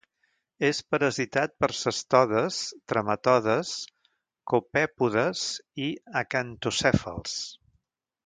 És parasitat per cestodes, trematodes, copèpodes i acantocèfals.